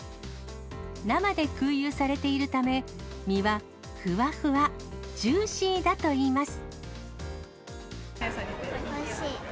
生で空輸されているため、身はふわふわ、ジューシーだといいます。